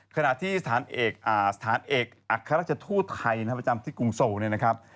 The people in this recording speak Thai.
ขณะที่สถานเอกอัครราชทูตไทยนะครับประจำที่กรุงโซลเนี่ยนะครับ